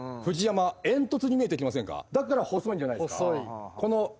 だから細いんじゃないですか？